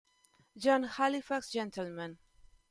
John Halifax, Gentleman